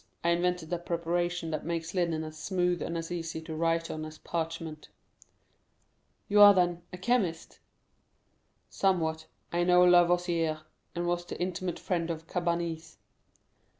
I invented a preparation that makes linen as smooth and as easy to write on as parchment." "You are, then, a chemist?" "Somewhat; I know Lavoisier, and was the intimate friend of Cabanis."